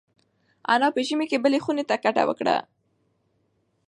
انا په ژمي کې بلې خونې ته کډه وکړه.